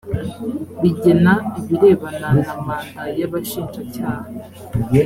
rigena ibirebana na manda y abashinjacyaha